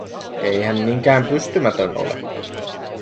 Ei hän niinkään pystymätön ole.